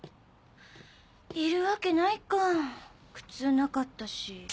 いるわけないか靴なかったし。